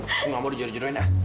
aku gak mau dijodohin ya